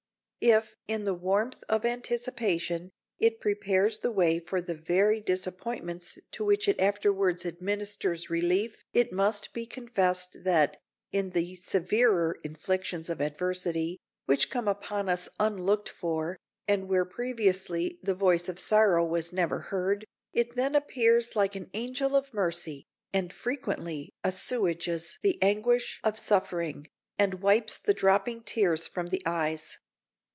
If, in the warmth of anticipation, it prepares the way for the very disappointments to which it afterwards administers relief it must be confessed that, in the severer inflictions of adversity, which come upon us unlooked for, and where previously the voice of sorrow was never heard, it then appears like an angel of mercy, and frequently assuages the anguish of suffering, and wipes the dropping tears from the eyes.